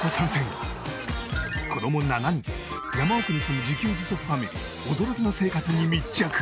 子供７人山奥に住む自給自足ファミリー驚きの生活に密着。